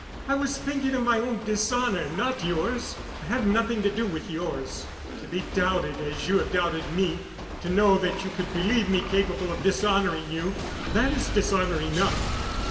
"I was thinking of my own dishonor—not yours—I have nothing to do with yours. To be doubted as you have doubted me—to know that you could believe me capable of dishonoring you—that is dishonor enough."